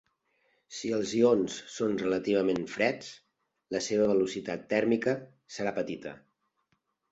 Si els ions són relativament freds, la seva velocitat tèrmica serà petita.